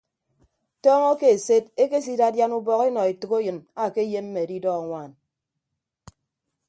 Tọọñọ ke eset ekesidadian ubọk enọ etәkeyịn akeyemme adidọ anwaan.